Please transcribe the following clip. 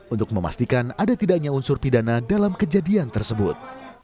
untuk memastikan ada tidaknya unsur pidana dalam kejadian tersebut